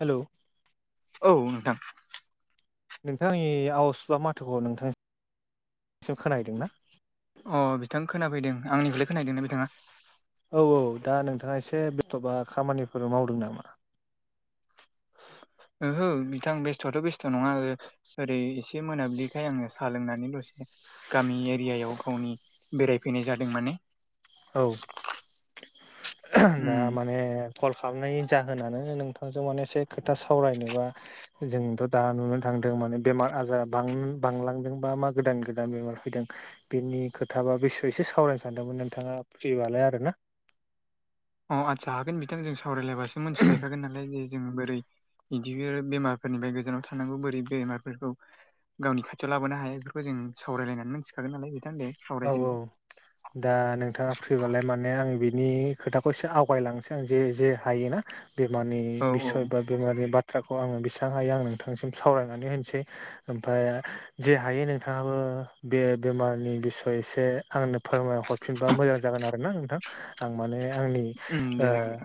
Hello औ नोंथां नोंथाङा आंनि आवाज बा माथोखौ नोंथांनिसिम खोनाहैदों ना अ बिथां खोनाफैदों आंनिखौलाय खोनाहैदोंना नोंथाङा औ औ दा नोंथाङा एसे बेस्थ'बा खामानिफोर मावदों नामा ओहो बिथां बेस्थ'आथ' बेस्थ' नङा ओ ओरै एसे मोनाबिलिखाय आङो सा लोंनानै दसे गामि एरियायाव गावनि बेरायफैनाय जादों माने औ दा उम माने कल खालामनायनि जाहोनानो नोंथां जों माने एसे खोथा सावरायनोबा जोंथ' दा नुनो थांदों माने बेमार आजारा बां बांलांदों बा मा गोदान गोदान बेमार फैदों बेनि खोथाबा बेसे एसे सावरायनो सानदोंमोन नोंथाङा फ्रिबालाय आरो ना अ आदसा हागोन बिथां जों सावरायलायबासो मिथिलायखागोन नालाय जे जों बोरै बिदि बेमारफोरनिफ्राय गोजानाव थानांगौ बोरै बेमारफोरखौ गावनि खाथियाव लाबोनो हाया बेफोरखौ जों सावरायलायनानै मिथिखागोन नालाय बिथां दे औ सावरायजेनदो [inaudible] दा नोंथाङा फ्रिबालाय माने आं बिनि खोथाखौ एसे आवगायलांनोसै आं जे जे हायोना बेमारनि औ औ बिसय बा बेमारनि बाथ्राखौ आङो बेसेबां हायो आं नोंथांनिसिम सावरायनानै होनोसै ओमफ्राय जे हायो नोंथाङाबो बे बेमारनि बिस एसे आंनो फोरमाय हरफिनबा मोजां जागोन आरो ना नोंथां आं माने आंनि उम ओ दे जागोन दे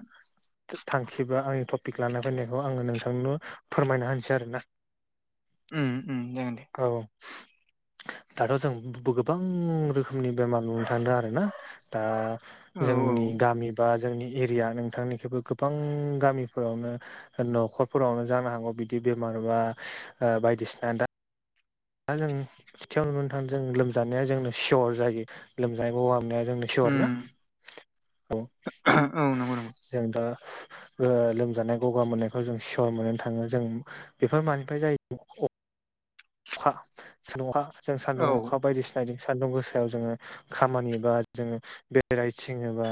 थांखि बा आंनि टपिक लाना फैनायखौ आङो नोंथांनो फोरमायना होनोसै आरो ना [inaudible] उम उम औ दाथ' जों गोबां रोखोम नि बेमार नुनो थांदों आरोना दा औ जोंनि औ गामि बा जोंनि एरिया नोंथांनिखौबो गोबां गामिफोरावनो न'खरफोरावनो जानो हागौ बिदि बेमार बा ओ बायदिसिना दा दा जों खाथियाव नुनो थाङो जों लोमजानाया जोंनो सियर जायो लोमजानाय गगामोननाया जोंनि। पियर ना उम औ औ नंगौ नंगौ जों दा ओ लोमजानाय गगा मोननायखौ जों सियर मोननो थाङो जों बेफोर मानिफ्राय जायो? फा अखा सान्दुं अखा जों सान्दुं औ अखा बायदिसिना साइदिं सान्दुं गोसायाव जोङो खामानि बा जोङो बेरायथिङोबा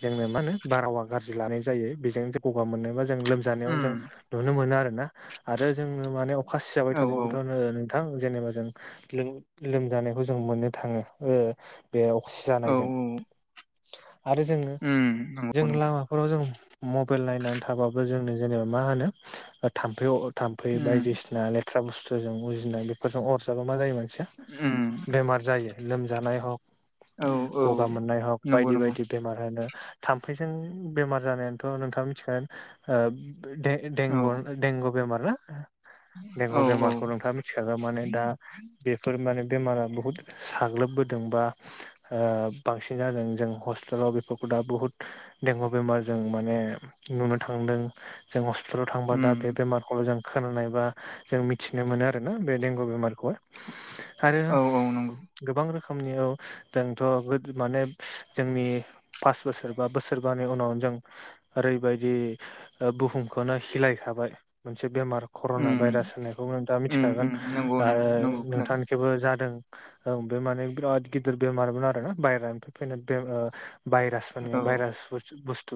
जोंनो मा होनो बारहावा गाज्रि लानाय जायो बेजों गगा मोननायबा जों लोमजानायाव जों उम नुनो मोनो आरो ना आरो जोङो माने अखा औ सिजाबाय थाबाबोथ' ओ नोंथां जेनेबा जों लोम- लोमजानायखौ जों मोननो थाङो ओ बे अक्सि औ जानायजों आरो जोङो उम नंगौ जों नंगौ लामाफोराव जों मबाइल नायनानै थाबाबो जोंनो जेनेबा मा होनो ओ थाम्फै थाम फ्राय उम बायदिसिना लेथ्रा बुस्थुजों उजिनाय बेफोरजों अरजाबा मा जायो मानसिया उम बेमार जायो लोमजानाय हग औ औ गगा मोननाय हग नंगौ बायदि नंगौ बायदि। बेमार होनो थाम्फैजों बेमार जानायाथ' नोंथाङा मिथिगोन ओ बे औ देंगु देंगु बेमार ना औ देंगु बेमार औ नोंथाङा मिथिखागौ माने दा बेफोर माने बेमारा बुहुद साग्लोबबोदोंबा ओ बांसिन जादों जों हस्टेलाव बेफोरखौ दा बुहुद। देंगु बेमार जों माने नुनो थांदों। जों हस्पितालाव थांबा दा उम बेमारखौल' जों खोनानाय बा जों मि मिथिनो मोनो आरोना बे देंगु बेमारखौहाय आरो औ औ नंगौ गोबां रोखोमनियाव औ जोंथ' माने जोंनि पास बोसोरबा बोसोरबानि उनाव जों ओरैबायदि बुहुमखौनो हिलायखाबाय मोनसे बेमार कर'ना उम भाइरास होननायखौ नोंथाङा उम मिथिखागोन उम नंगौ नंगौ आरो नंगौ खोनादों नोंथांखैबो जादों। औ फबे माने बिराद गिदिर बेमारमोन आरो ना बायह्रा फैनाय बे ओ भाइरास औ माने भाइरास बुस्थु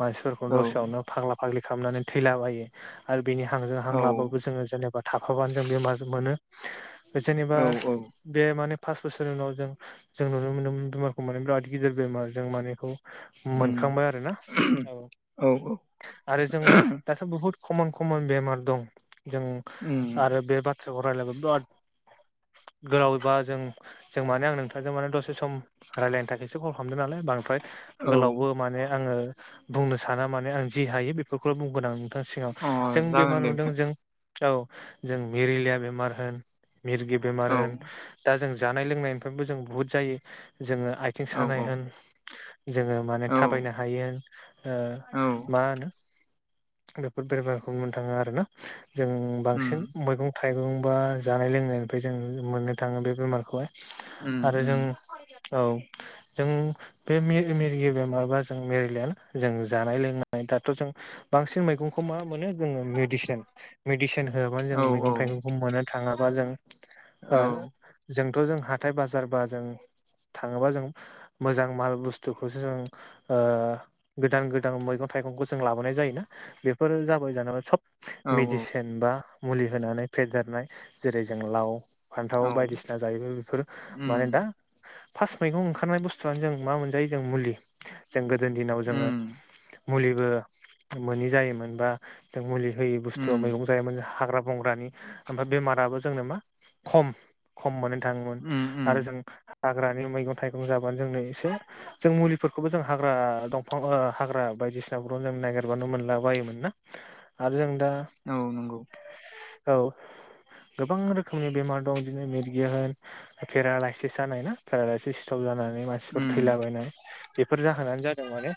मानसिफोरखौ दसेयावनो फाग्ला फाग्लि खालामनानै थैलाबायो आरो बिनि हांजों हां औ लाबाबो जोङो जेनेबा थाफाबानो जों बेमार मोनो। जेनेबा औ औ बे माने पास बोसोरनि उनाव जों जों नुनो मोनोमोन बेमारखौ माने बिराद गिदिर बेमार जों मानेखौ उम मोनखांबाय आरोना औ औ औ आरो जों दाथ' बुहुद कमन कमन बेमार दं जों उम आरो बे बाथ्राखौ रायलायबा बिराद गोलावबा जों जों माने आं नोंथांजों माने दसे सम रायजलायनो थाखायसो कल खालामदों नालाय बांद्राय औ गोलावबो माने आङो बुंनो साना माने आं जि हायो बेफोरखौ बुंगो आं सिगां अ जों जागोन बेमा दे नुदों नोंथां जों औ जों मिरिलिया बेमार होन मिरगि बेमार औ होन दा जों जानाय लोंनायनिफ्रायबो जों बुहुत जायो जोङो आथिं औ सानाय औ होन जोङो माने औ थाबायनो हायो ओ औ मा होनो बेफोर बेरमखौ मोननो थाङो आरोना जों उम बांसिन मैगं थाइगं बा जानाय लोंनायनिफ्राय जों मोननो थाङो बे बेमारखौहाय उम आरो उम जों औ जों बे मिरगि बेमारबा जों मेरेलियाना जों जानाय लोंनाय दाथ जों बांसिन मैगंखौ मा मोनो जोङो मेडिसिन मेडिसिन होआबानो जों औ औ मैगं थाइगंखौ मोननो थाङाबा जों औ जोंथ जों हाथाय बाजार बा जों थाङोबा जों मोजां माल बुस्थुखौसो जों ओ गोदान गोदान मैगं थाइगंखौ जों लाबोनाय जायो ना बेफोरो जाबाय जानेबा सब औ मेडिसिन बा मुलि होनानै फेदेरनाय जेरै जों लाव फान्थाव औ बायदिसिना जायोबाय बेफोर उम मानो दा फास मैगं ओंखारनाय बुस्थुआनो जों मा मोनजायो जों मुलि जों गोदोनि दिनाव जोङो उम मुलिबो मोनि जायोमोन बा जों मुलि होयै बुस्थवा उम मैगं जायोमोन हाग्रा बंग्रानि ओमफ्राय बेमाराबो जोंनो मा खम खम मोनै थाङोमोन उम आरो जों उम हाग्रानि मैगं थाइगं जाबानो जोंनो एसे जों मुलिफोरखौबो जों हाग्रा दंफां ओ हाग्रा बायदिसिनाफोरखौ जों नागिरबानो मोनला बायोमोन ना आरो जों दा औ नंगौ औ गोबां रोखोमनि बेमार दं बिदिनो मिरगिया होन पेरालाायसिस जानाय ना पेरालाायसिस स्ट्रक जानानै मान सिफोर उम थैलाबायनाय बेफोर जाहोनानो जादों माने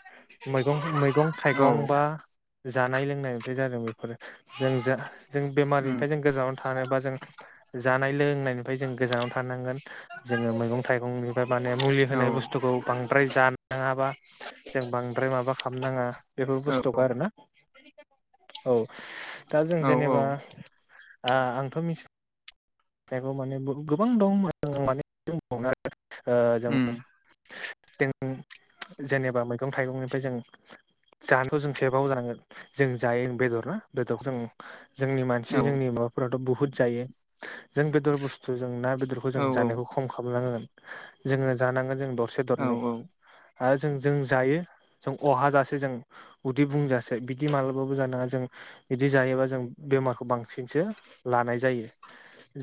मैगं मैगं औ थाइगं बा जानाय लोंनायनिफ्राय जादों बेफोरो जों जा जों उम बेमारनिफ्राय जों गोजानाव थानोबा जों जानाय लोंनायनिफ्राय जों गोजानाव थानांगोन जोङो मैगं थाइगंनिफ्राय माने मुलि औ होनाय बुस्थुखौ बांद्राय जानाङाबा जों बांद्राय माबा खालामनाङा बेफोर औ बुस्थुखौ आरोना औ दा जों औ औ जेनेबा आंथ मिथि उम [unintelligible] जों जेनेबा मैगं थाइगंनिफ्राय जों जानायखौ जों सेबाव जानांगोन जों जायो बेदर ना बेदरखौ जों जोंनि मानसि औ जोंनि माबाफोराथ बुहुद जायो जों बेदर बुस्थु जों ना बेदर औ जों जानायखौ खम खालामनांगोन जोङो जानांगोन जों दरसे औ दरनै औ आरो जों जों जायो जों अहाजासे जों उदै बुंजासै बिदि मालाबाबो जानाङा जों बिदि जायोबा जों बेमारखौ बांसिनसो लानाय जायो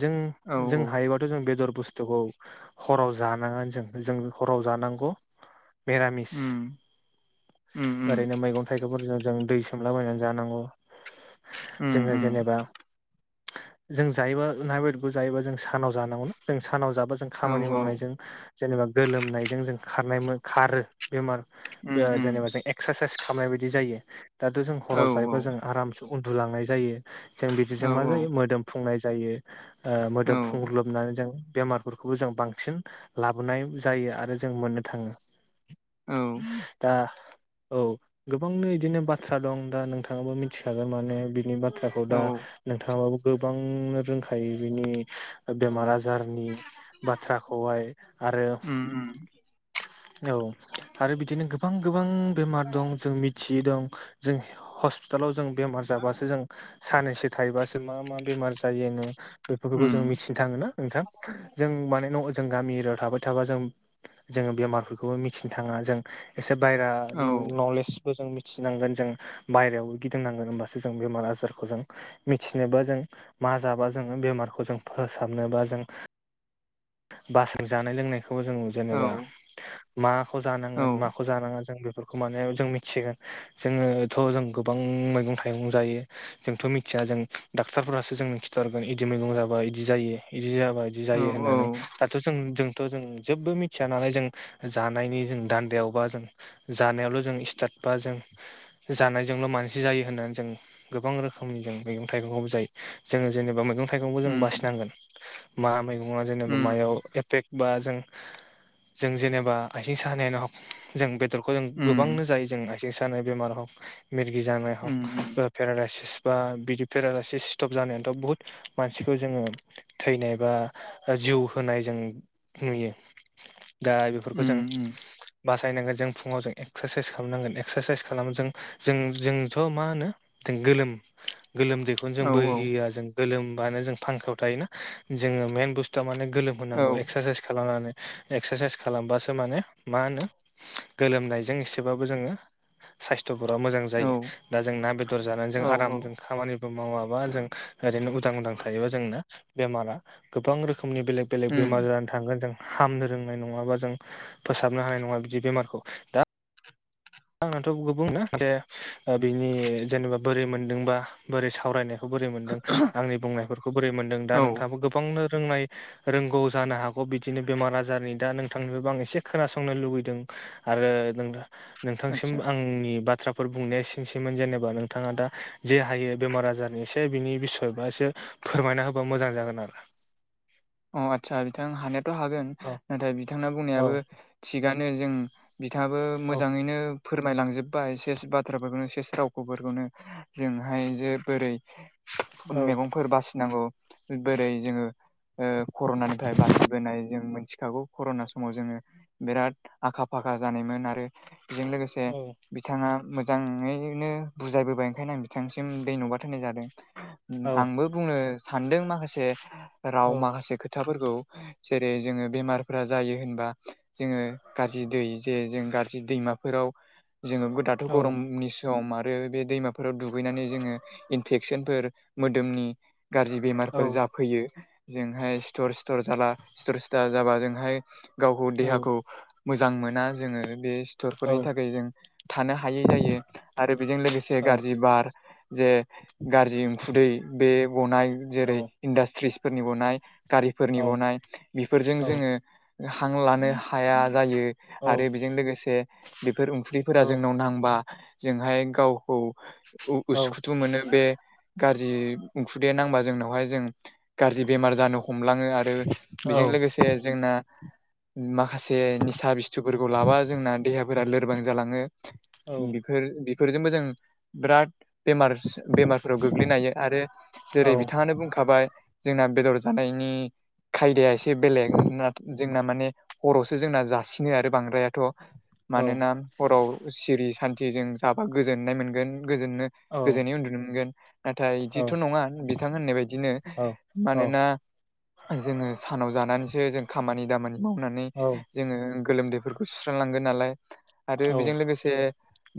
जों औ जों औ हायोबा जों बेदर बुस्थुखौ हराव जानाङा जों जों हराव जानांगौ मरामिस उम उम उम ओरैनो मैगं थाइगंफोरजों जों दै सोमलाबायनानै जानांगौ उम जोङो उम जेनेबा जों जायोबा ना बेदरखौ जायोबा जों सानाव जानांगौनाा जों सानाव जाबा जों औ खामानि मावनायजों जेनेबा गोलोमनायजों जों खारनाय मो खारो बेमार उम उम जेनेबा जों एक्सारसाइस खालामनाय बायदि जायो दाथ जों औ हराव जायोबा जों आराम उन्दुलांनाय जायो जों बिदिजों औ मा जायो मोदोम फुंनाय जायो ओ औ मोदोम फुङोब्ला नानै जों बेमारफोरखौबो जों बांसिन लाबोनाय जायो आरो जों मोननो थाङो औ दा औ गोबांनो बिदिनो बाथ्रा दं दा नोंथाङाबो मिथिखागोन माने बिनि बाथ्राखौ दा नोंथाङाबाबो गोबां रोंखायो बेनि बेमार आजार जारनि बाथ्राखौहाय आरो उम उम औ आरो बिदिनो गोबां गोबां बेमार दं जों मिथियै दं जों हस्पिटालाव जों बेमार जाबासो जों साननैसो थायोबासो मा मा बेमार बेफोरखौ उम जों मिथि नोंथां ना नोंथां जों माने न' जों गामि एरियायाव थाबाय थाबा जों जोङो बेमारफोरखौबो मिथिनो थाङा जों एसे बायेरा औ नलेज जों मिथिनांगोन जों बायेरायावबो गिदिंनांगोन होमबासो जों बेमार आजारखौ जों मिथिनोबा जों मा जाबा जोङो बेमारखौ जों फोसाबनोबा जों बासजों जानाय लोंनायखौबो जों औ जेनेबा माखौ जानांगोन माखौ जानाङा जों बे बेफोरखौ माने जों मिथिगोन जोङोथ' जों गोबां मैगं थाइगं जायो जोंथ' मिथिया जों डाक्टारफोरासो जोंनो खिथाहरगोन बिदि मैगं जाबा इदि जायो बिदि जाबादि औ जायो होननानै दाथ' जों जोंथ' जों जेबो मिथिया नालाय जों जानायनि जों दान्दायावबा जों जानायावल' जों स्टार्ट बा जों जानायजोंल' मानसि जायो होननानै जों गोबां रोखोमनि जों मैगं थाइगंखौबो जायो जोंङो जेनेबा मैगंं थाइगंबो जों उम बासिनांगोन मा मैगं उम जेनेबा मायाव एफेक्ट बा जों जों जेनेबा आथिं सानायानो जों बेदरखौ जों उम गोबांनो जायो जों आथिं सानाय बेमार हग मिरगि जानाय हग उम पेरालायसिस बा बिदि पेरालायसिस स्टप जानायानोथ' बुहुत मानसिखौ जोङो थैनाय बा जिउ होनाय जों नुयो दा बेफोरखौ जों उम उम बासायनांगोन जों फुङाव जों एक्सारसाइस खालामनांगोन एक्सारसाइस खालाम जों जों जोंथ' मा होनो जों गोलोम गोलोमदै बेखौनो जों औ बोहिया जों गोलोमबानो जों फांखायाव थायोना जोङो मेन बुस्थुआ माने गोलोम औ होनांगौ एक्सारसाइस खालामनानै एक्सारसाइस खालामबासो माने मा होनो गोलोमनायजों एसेबाबो जोंङो साइस्थ'फोरा मोजां जायो दा जों ना बेदर जानानै जों औ औ आरामजों खामानिबो मावाबा जों ओरैनो उदां उदां थायोबा जोंना बेमारा गोबां रोखोमनि बेलेग बेलेग उम बेमार जानानै थांगोन जों हामनो रोंनाय नङाबा जों फोसाबनो हानाय नंङा बिदि बेमारखौ दा आंनाथ' गुबनो जे बिनि जेनेबा बोरै मोनदोंबा बोरै सावरायनो खौ बोरै मोनदों आंनि बुंनायफोरखौ बोरै मोन्दों दा औ नोंथाङाबो गोबांनो रोंनाय रोंगौ जानो हागौ बिदिनो बेमार आजारनि दा नोंथांनिफ्रायबो आं एसे खोनासंनो लुबैदों। आरो नोंथांसिम आतसा आंनि बाथ्राखौ फोर बुंनाया सिनोसैमोन जेनेबा नोंथाङा दा जे हायो बेमार आजारनि एसे बिनि बिसबासो फोरमायना होबा मोजां जागोन आरो अ आतसा बिथां हानायाथ' हागोन औ नाथाय बिथांना औ बुंनायाबो थिगानो जों बिथाङाबो मोजांङैनो फोरमायलांजोब्बाय सेस बाथ्राफोरखौनो सेस रावखौफोरखौनो जोंहाय जे बोरै औ मैगंफोर बासिनांगौ बोरै जोंङो कर'नानिफ्राय बासिबोनाय जों मोनथिखागौ कर'ना समाव जोंङो बिराद आखा फाखा जानायमोन आरो बेजों लोगोसे औ बिथांङा मोजाङैनो बुजायबोबाय ओंखायनो आं बिथांसिम दैन'बाथ होनाय जादों औ आंबो बुंनो सानदों माखासे औ राव माखासे खोथाफोरखौ जेरै जोंङो बेमारफ्रा जायो होनबा जोङो गारजि दै जे जों गारजि दैमाफोराव जोंङो गो दाथ' औ गरमनि सम आरो बे दैमाफोराव दुगैनानै जोङो इनफेकसोनफोर मोदोमनि गारजि औ बेमारफोर जाफैयो जोंहाय सिथर सिथर जाला सिथर सिथार जाबा जोंहाय गावखौ औ देहाखौ मोजां मोना जोंङो बे सि थर फोरनि थाखाय जों थानो हायै जायो आरो बेजों लोगोसे गारजि बार जे गारजि उखुदै बे गनाय जेरै इन्डास्ट्रिसफोरनि गनाय औ गारिफोरनि गनाय बिफोरजों औ जोंङो हां औ लानो हाया जायो आरो बिजों लोगोसे बिफोर उंखुंदिफोरा जोंनाव नांबा जोंहाय गावखौ उ उसुखुथु मोनो। बे गारजि उखुदैया नांबा जोंनावहाय जों गारजि बेमार जानो हमलाङो आ ओ बिजों लोगोसे जोंना माखासे निसा बिस्थुफोरखौ लाबा जोंना देहाफोरा लोरबां जालांङो। बि फोर बिफोरजोंबो जों बिराद बेमारस बेमारफोराव गोग्लैनो हायो आरो जेरै बिथाङानो बुंखाबाय जोंना बेदर जानायनि खायदाया एसे बेलेग ना जोंना माने हरावसो जोंना जासिनो आरो बांद्रायाथ' मानोना हराव सिरि सान्थि जों जाबा गोजोननाय मोनगोन गोजोननो गोजोनै उन्दुनो मोनगोन। नाथाय इदिथ' नङा बिथां होननाय बायदिनो। मानोना आ जोङो सानाव जानानैसो जों खामानि दामानि मावनानै जोङो गोलोमदैफोरखौ सुस्रांलांगोन नालाय आरो बिजों लोगोसे जे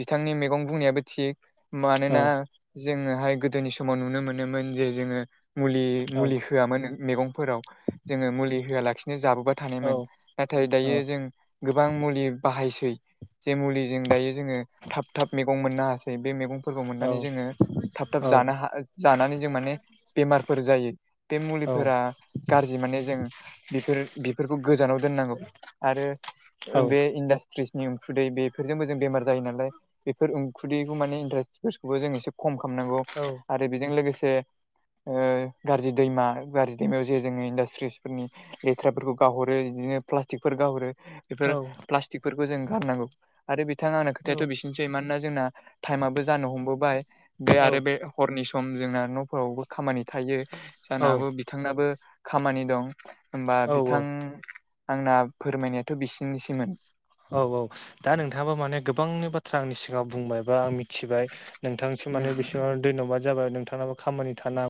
बिथांनि मेगं बुंनायाबो थिग मानोना जोंङोहाय गोदोनि समाव नुनो मोनोमोन जे जोङो मुलि मुलि होआमोन मेगंफोराव जोंङो मुलि होआ लाख नो जाबोबा थानायमोन नाथाय दायो जों गोबां मुलि बाहायसै। जे मुलिजों दायो जोङो थाब थाब मैगं मोननो हास सै बे मैगंफोरखौ मोननानै जोङो थाब थाब जानो हा जानानै जों माने बेमारफोर जायो। बे मुलिफोरा गारजि माने जों बिफोर बिफोरखौ गोजानाव दोननांगौ। आरो ओ बे इन्डास ट्रिसनि उखुदै बेफोरजोंबो जों बेमार जायो नालाय बेफोर उखुदैखौ माने इन्ट्रासफोरखौबो जों एसे खम खामनांगौ आरो बिजों लोगोसे ओ गारजि दैमा गारजि दैमायाव जे जोङो इन्डासट्रिसफोरनि लेथ्राफोरखौ गाहरो इदिनो प्लास्टिकफोर गाहरो औ बेफोर प्लास्टिकफोरखौ जों गारनांगौ आरो बिथां आंना खोथायाथ' औ बिसिनोसै मानोना जोंना टाइमाबो जानो हमबोबाय बे आरो बे हरनि सम जोंना न'फोरावबो खामानि थायो। जानो हागौ बिथांनाबो खामानि दं होमबा बिथां आंना फोरमायनायाथ' बिसिनिसैमोन। औ औ दा नोंथाङाबा माने गोबांनि बाथ्रा आंनि सिगाङ बुंबाय बा आं मिथिबाय नोंथांसो मानेसेबां धोयन'बाद जाबाय नोंथाङाबो खामानि थाना